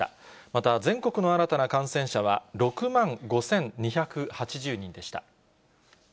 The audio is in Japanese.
また、全国の新たな感染者は６万５２８０人でした。